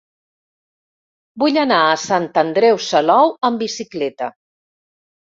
Vull anar a Sant Andreu Salou amb bicicleta.